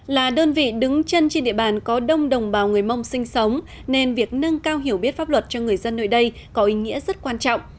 là đơn vị đứng chân trên địa bàn có đông đồng bào người mông sinh sống nên việc nâng cao hiểu biết pháp luật cho người dân nơi đây có ý nghĩa rất quan trọng